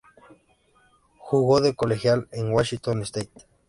Jugo de colegial en Washington State.